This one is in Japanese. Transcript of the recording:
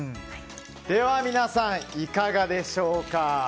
では皆さん、いかがでしょうか。